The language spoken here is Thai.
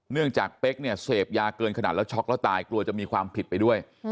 จากเป๊กเนี่ยเสพยาเกินขนาดแล้วช็อกแล้วตายกลัวจะมีความผิดไปด้วย